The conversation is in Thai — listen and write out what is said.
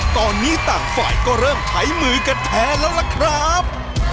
ตอนนี้ต่างฝ่ายก็เริ่มใช้มือกันแทนแล้วล่ะครับ